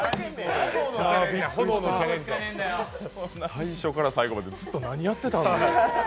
最初から最後までずっと何やってたん。